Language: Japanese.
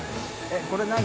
えっこれ何？